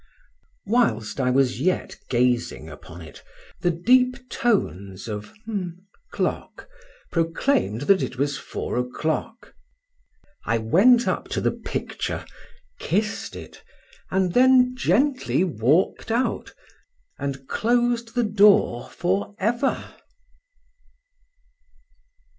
Whilst I was yet gazing upon it the deep tones of —— clock proclaimed that it was four o'clock. I went up to the picture, kissed it, and then gently walked out and closed the door for ever!